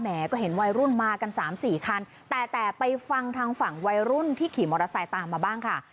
ทางวัยรุ่นมากัน๓๔คันแต่ไปฟังทางวัยรุ่นที่ขี่มอเตอร์ไซค์ตามมาบ้างค่ะ